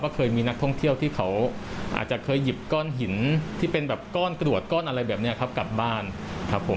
เคยมีนักท่องเที่ยวที่เขาอาจจะเคยหยิบก้อนหินที่เป็นแบบก้อนตรวจก้อนอะไรแบบนี้ครับกลับบ้านครับผม